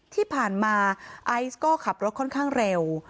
ที่ผ่านมาไอซ์ก็ขับรถค่อนข้างเร็ว